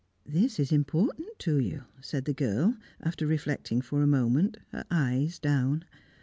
"This is important to you," said the girl, after reflecting for a moment, her eyes down.